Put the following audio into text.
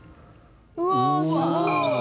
うわっすごい！